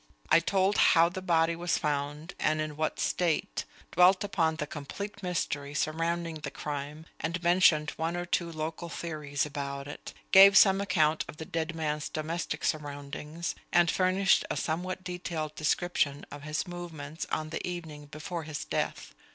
I told how the body was found, and in what state; dwelt upon the complete mystery surrounding the crime and mentioned one or two local theories about it; gave some account of the dead man's domestic surroundings; and furnished a somewhat detailed description of his movements on the evening before his death.